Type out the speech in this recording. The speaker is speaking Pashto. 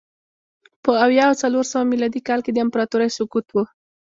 په اویا او څلور سوه میلادي کال کې د امپراتورۍ سقوط و